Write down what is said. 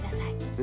え？